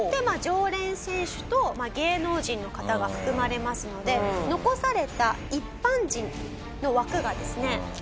常連選手と芸能人の方が含まれますので残された一般人の枠がですね